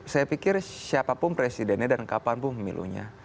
saya pikir siapapun presidennya dan kapanpun pemilunya